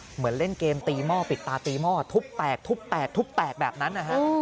เหมือนเล่นเกมตีหม้อปิดตาตีหม้อทุบแตกแบบนั้น